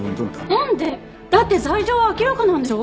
なんで？だって罪状は明らかなんでしょ？